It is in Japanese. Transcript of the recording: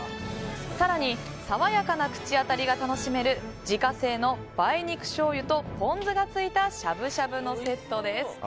更に、爽やかな口当たりが楽しめる自家製の梅肉しょうゆとポン酢がついたしゃぶしゃぶのセットです。